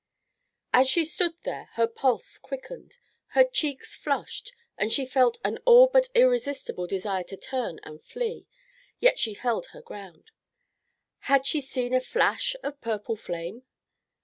As she stood there her pulse quickened, her cheeks flushed and she felt an all but irresistible desire to turn and flee. Yet she held her ground. Had she seen a flash of purple flame?